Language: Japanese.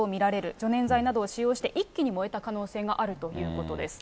助燃剤などを使用して一気に燃えた可能性があるということです。